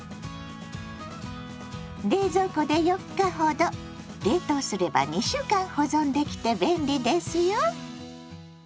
冷蔵庫で４日ほど冷凍すれば２週間保存できて便利ですよ。